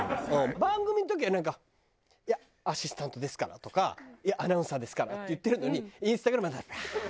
番組の時はなんか「いやアシスタントですから」とか「いやアナウンサーですから」って言ってるのにインスタグラムになったら「ワー！」。